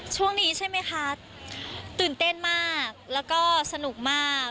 ช่วงนี้ใช่ไหมคะตื่นเต้นมากแล้วก็สนุกมาก